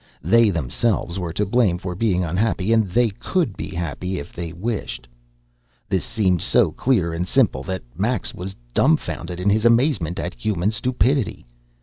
They themselves were to blame for being unhappy, and they could be happy if they wished. This seemed so clear and simple that Max was dumfounded in his amazement at human stupidity.